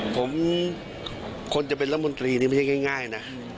ผมคนจะเป็นรัฐมนตรีนี่ไม่ใช่ง่ายนะ